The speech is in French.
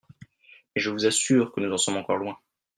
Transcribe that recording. Mais je vous assure que nous en sommes encore loin.